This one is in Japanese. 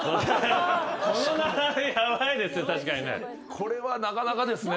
これはなかなかですね。